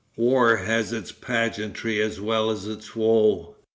War has its pageantry as well as its woe.